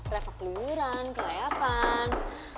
reva keluyuran kelayakan